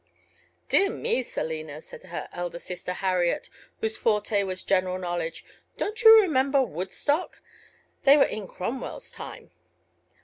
"Dear me, Selina," said her elder sister, Harriet, whose forte was general knowledge, "don't you remember 'Woodstock'? They were in Cromwell's time."